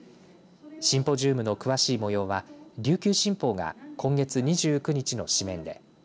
シンポジウムの詳しいもようは琉球新報が今月２９日の紙面で。